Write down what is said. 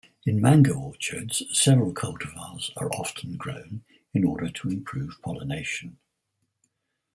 In mango orchards, several cultivars are often grown in order to improve pollination.